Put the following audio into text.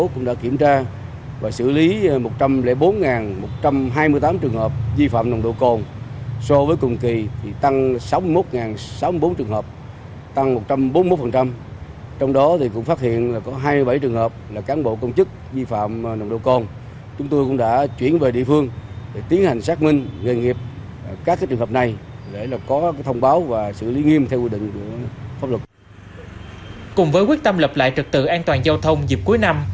cùng với quyết tâm lập lại trực tự an toàn giao thông dịp cuối năm